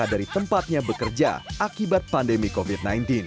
dari tempatnya bekerja akibat pandemi covid sembilan belas